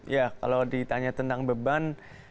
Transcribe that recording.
ya kalau ditanya tentang beban